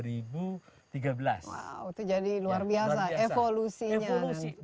wow itu jadi luar biasa evolusinya